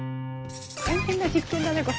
大変な実験だねこれ。